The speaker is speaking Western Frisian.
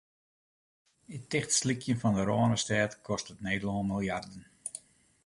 It tichtslykjen fan de Rânestêd kostet Nederlân miljarden.